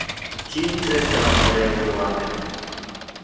Quin tret de l'Andreu lloaven?